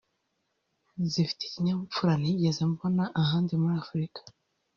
zifite ikinyabupfura ntigeze mbona ahandi muri Afurika”